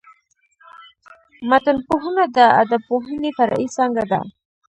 متنپوهنه د ادبپوهني فرعي څانګه ده.